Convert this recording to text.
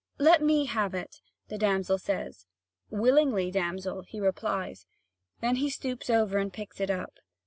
"Let me have it," the damsel says. "Willingly, damsel," he replies. Then he stoops over and picks it up.